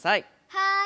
はい。